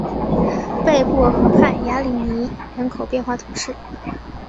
贝布尔河畔雅利尼人口变化图示